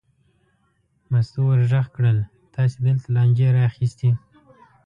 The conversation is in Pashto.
مستو ور غږ کړل: تاسې دلته لانجې را اخیستې.